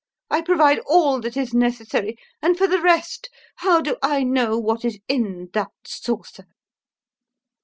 I provide all that is necessary; and, for the rest, how do I know what is in that saucer?"